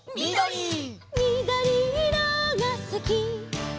「みどりいろがすき」